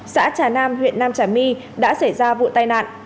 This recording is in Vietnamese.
xã trà nam huyện nam trà my đã xảy ra vụ tai nạn